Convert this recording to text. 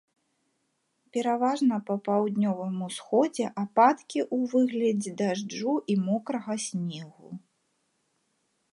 Пераважна па паўднёвым усходзе ападкі ў выглядзе дажджу і мокрага снегу.